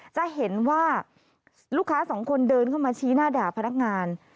จะเห็นว่าลูกค้าสองคนเดินเข้ามาชี้หน้าด่าพนักงาน